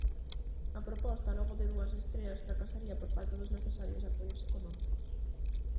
A proposta, logo de dúas estreas, fracasaría por falta dos necesarios apoios económicos.